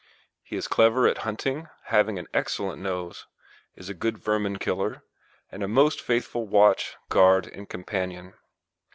He is clever at hunting, having an excellent nose, is a good vermin killer, and a most faithful watch, guard, and companion.